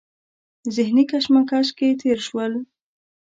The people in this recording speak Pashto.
ذهني کشمکش کې تېر شول.